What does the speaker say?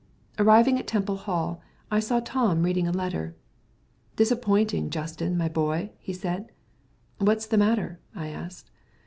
Arriving at Temple Hall, I saw Tom reading a letter. "Disappointing, Justin, my boy," he said. "What's the matter?" I asked.